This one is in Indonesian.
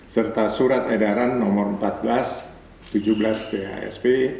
serta surat edaran nomor empat belas tujuh belas phsb